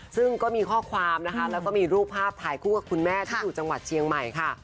ซึ่งก็มีข้อความนะคะแล้วก็มีรูปภาพถ่ายคู่กับคุณแม่ที่อยู่จังหวัดเชียงใหม่ค่ะ